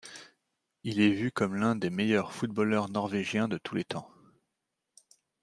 Il est vu comme l'un des meilleurs footballeurs norvégiens de tous les temps.